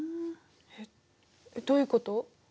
えっ？どういうこと？